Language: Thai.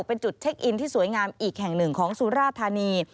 เป็นจุดเช็คอินที่สวยงามอีกแห่งหนึ่งของสุราธานี